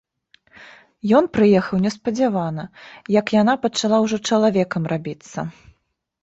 Ён прыехаў неспадзявана, як яна пачала ўжо чалавекам рабіцца.